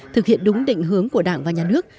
thực hiện đúng định hướng của đảng và nhà nước